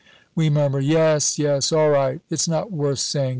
We murmur, "Yes, yes all right; it's not worth saying.